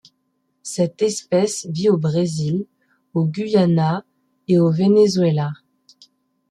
Cette espèce vit au Brésil, au Guyana et au Venezuela.